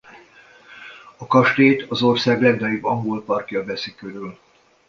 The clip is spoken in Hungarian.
A kastélyt az ország legnagyobb angolparkja veszi körül.